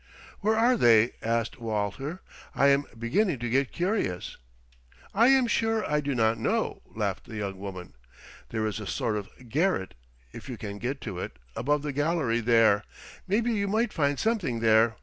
"Where are they" asked Walter. "I am beginning to get curious." "I am sure I do not know," laughed the young woman. "There is a sort of garret, if you can get to it, above the gallery there. Maybe you might find something there.